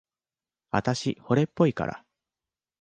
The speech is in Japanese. あたし、惚れっぽいから。